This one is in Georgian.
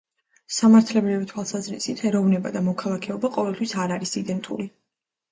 სამართლებრივი თვალსაზრისით, ეროვნება და მოქალაქეობა ყოველთვის არ არის იდენტური.